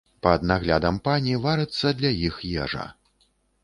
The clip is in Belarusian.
Пад наглядам пані варыцца для іх ежа.